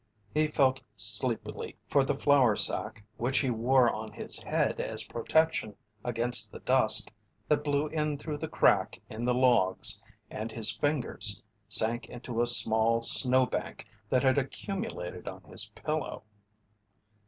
He felt sleepily for the flour sack which he wore on his head as protection against the dust that blew in through the crack in the logs and his fingers sank into a small snow bank that had accumulated on his pillow.